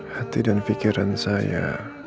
hati dan pikiran saya